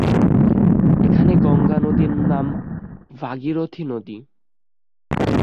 এখানে গঙ্গা নদীর নাম ভাগীরথী নদী।